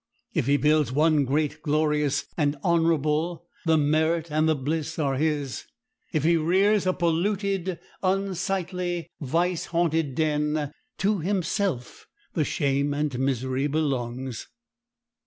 If he builds one great, glorious, and honorable, the merit and the bliss are his; if he rears a polluted, unsightly, vice haunted den, to himself the shame and misery belongs.